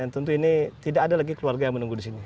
tentu ini tidak ada lagi keluarga yang menunggu di sini